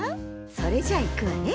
それじゃいくわね。